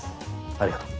ありがとう。